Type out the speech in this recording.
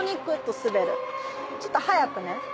「ちょっと速くね。